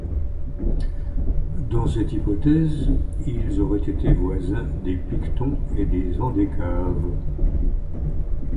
Dans cette hypothèse, ils auraient été voisins des Pictons et des Andécaves.